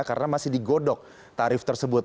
karena masih digodok tarif tersebut